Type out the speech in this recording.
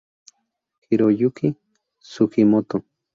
Hiroyuki Sugimoto